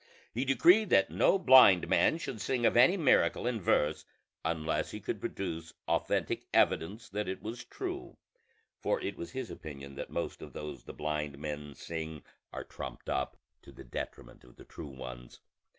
He decreed that no blind man should sing of any miracle in verse unless he could produce authentic evidence that it was true; for it was his opinion that most of those the blind men sing are trumped up, to the detriment of the true ones.